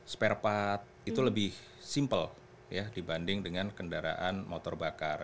spare part itu lebih simple dibanding dengan kendaraan motor bakar